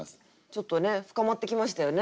ちょっとね深まってきましたよね